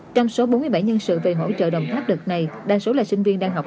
trong số bốn mươi bảy nhân sự về hỗ trợ đồng tháp đợt này đa số là sinh viên đang học